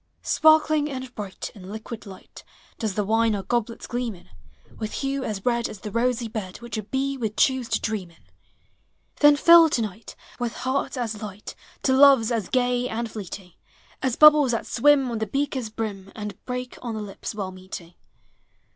Sparkling and bright in liquid light. Does the wine our goblets gleam in, With hue as red as the rosy bed Which a bee would choose to dream in. Digitized by Google FRIEXD8HIP. :;s: Then fill to night, irith hearts as light, To lores as gay and fleeting As bubbles that swim on the beaker's brim. And break on the lips while meeting.